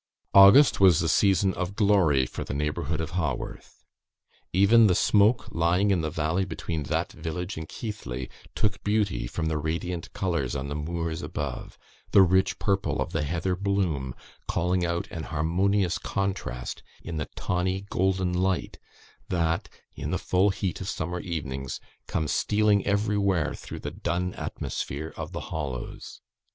August was the season of glory for the neighbourhood of Haworth. Even the smoke, lying in the valley between that village and Keighley, took beauty from the radiant colours on the moors above, the rich purple of the heather bloom calling out an harmonious contrast in the tawny golden light that, in the full heat of summer evenings, comes stealing everywhere through the dun atmosphere of the hollows.